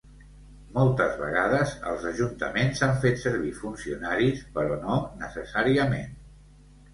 Moltes vegades els ajuntaments han fet servir funcionaris, però no necessàriament.